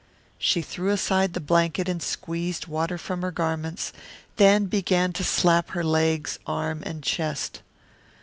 She threw aside the blanket and squeezed water from her garments, then began to slap her legs, arms, and chest.